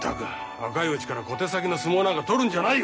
若いうちから小手先の相撲なんか取るんじゃないよ。